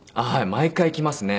毎回来ますね。